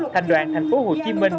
thành đoàn thành phố hồ chí minh